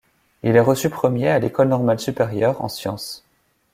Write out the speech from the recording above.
Il est reçu premier à l'École normale supérieure, en sciences.